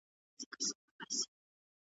¬ برخي ټولي ازلي دي، نه په زور نه په زاري دي.